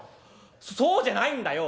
そうじゃないんだよ。